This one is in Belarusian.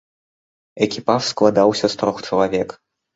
Экіпаж складаўся з трох чалавек.